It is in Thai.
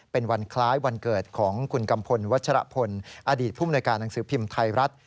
เป็นวันคล้ายวันเกิดของคุณกัมพลวัชรพลอดีตภูมิในการหนังสือพิมพ์ไทยรัฐ